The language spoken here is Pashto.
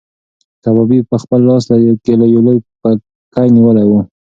کبابي په خپل لاس کې یو لوی پکی نیولی و.